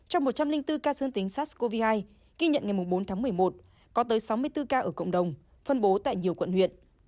hà nội thường bốn tháng một mươi một có tới sáu mươi bốn ca ở cộng đồng phân bố tại nhiều quận huyện